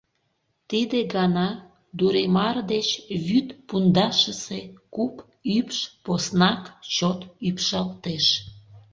Тиде гана Дуремар деч вӱд пундашысе куп ӱпш поснак чот ӱпшалтеш.